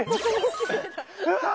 うわ！